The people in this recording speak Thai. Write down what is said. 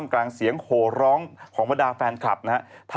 กลางเสียงโหร้องของบรรดาแฟนคลับนะฮะ